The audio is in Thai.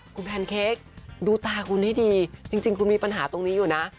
คุณแพนเค้กดูตาคุณให้ดีจริงคุณมีปัญหาตรงนี้อยู่นะ